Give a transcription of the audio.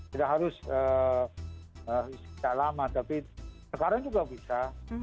tidak harus sejak lama tapi sekarang juga bisa